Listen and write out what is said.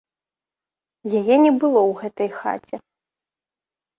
Яе не было ў гэтай хаце.